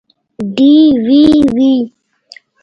ډیوې وي